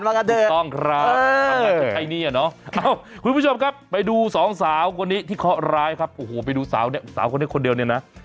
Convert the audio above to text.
ในการทำงานบ้างก็คุณผู้ชมครับไปดูสองสาวที่ขอรายสาวนี้คนเดียวเนี่ยนะ